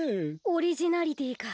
オリジナリティーか。